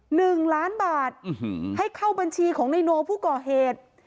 หนึ่งล้านบาทให้เข้าบัญชีของนายโนผู้ก่อเหตุ